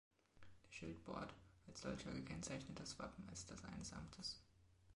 Der Schildbord als solcher kennzeichnet das Wappen als das eines Amtes.